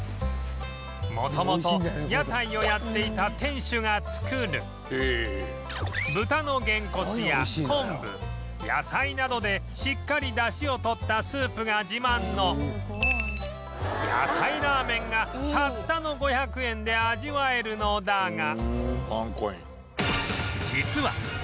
元々屋台をやっていた店主が作る豚のげんこつや昆布野菜などでしっかり出汁を取ったスープが自慢の屋台ラーメンがたったの５００円で味わえるのだが